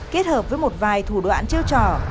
kết hợp với một vài thủ đoạn treo trò